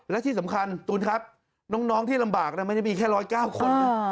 และที่สำคัญตูนครับน้องที่ลำบากไม่ได้มีแค่๑๐๙คน